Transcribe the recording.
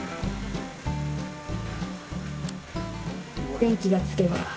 電気がつけば。